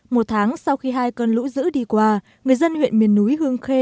một tháng sau khi hai cơn lũ dữ đi qua người dân huyện miền núi hương khê